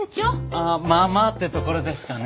ああまあまあってところですかね。